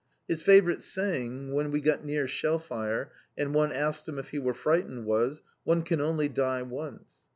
His favourite saying, when we got near shell fire, and one asked him if he were frightened, was: "One can only die once."